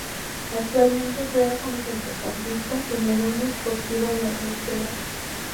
Actualmente juega como centrocampista en el Unió Esportiva Llagostera.